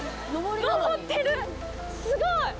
すごい！